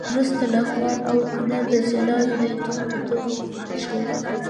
وروسته لغمان او کونړ د جلا ولایتونو په توګه ومنل شول.